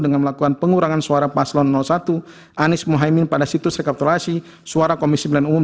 dengan melakukan pengurangan suara paslon satu anies mohaimin pada situs rekapturasi suara komisi pemilihan umum